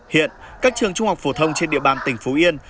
hiện các trường trung học phổ thông trên địa bàn tỉnh phú yên